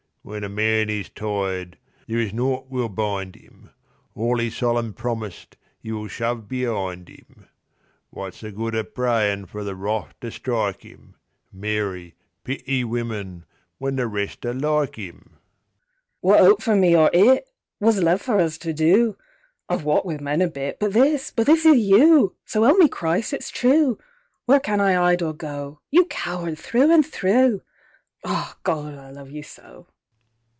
When a man is tired there is naught will bind 'im; All 'e solemn promised 'e will shove be'ind 'im. What's the good o' prayin' for The Wrath to strike 'im(Mary, pity women!), when the rest are like 'im? What 'ope for me or—it? What's left for us to do? I've walked with men a bit, But this—but this is you. So 'elp me Christ, it's true! Where can I 'ide or go? You coward through and through!…Ah, Gawd, I love you so!